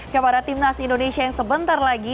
kepada timnas indonesia yang sebentar lagi